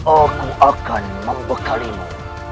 aku akan membekalimu